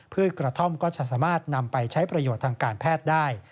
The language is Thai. กระท่อมก็จะสามารถนำไปใช้ประโยชน์ทางการแพทย์ได้